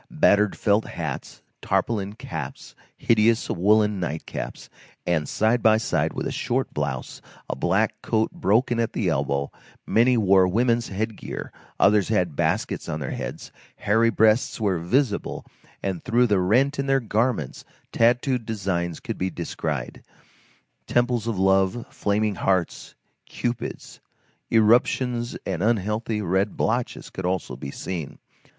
Battered felt hats, tarpaulin caps, hideous woollen nightcaps, and, side by side with a short blouse, a black coat broken at the elbow; many wore women's headgear, others had baskets on their heads; hairy breasts were visible, and through the rent in their garments tattooed designs could be descried; temples of Love, flaming hearts, Cupids; eruptions and unhealthy red blotches could also be seen.